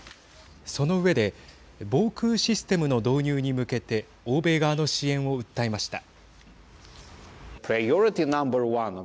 その上で防空システムの導入に向けて欧米側の支援を訴えました。